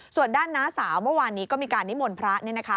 ส่วนด้านน้าสาวเมื่อวานนี้ก็มีการนิมนต์พระเนี่ยนะคะ